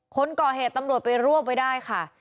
คนก่อเหตุตำรวจไปรวบไว้ได้ค่ะ